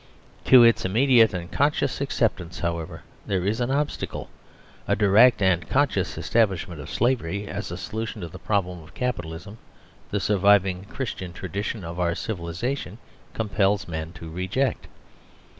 To its immediate and conscious acceptance, how ever, there is an obstacle. 98 STABLE SOLUTIONS THEREOF A direct and conscious establishment of slavery as a solution to the problem of Capitalism, the sur viving Christian tradition of our civilisation compels men to reject.